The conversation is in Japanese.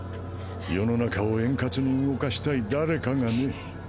世の中を円滑に動かしたい誰かがね。